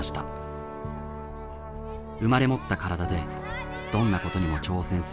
生まれ持った体でどんなことにも挑戦する日々。